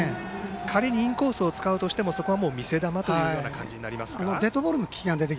仮にインコースを使うとしても、そこは見せ球という感じになりますか。